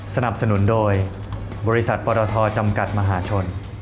สนับสนุนโดยบริษัทปรทจำกัดมหาชน